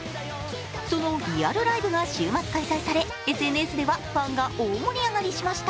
そのリアルライブが週末開催され、ＳＮＳではファンが大盛り上がりしました。